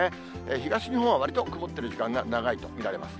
東日本はわりと曇っている時間が長いと見られます。